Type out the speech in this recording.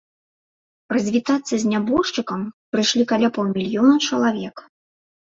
Развітацца з нябожчыкам прыйшлі каля паўмільёна чалавек.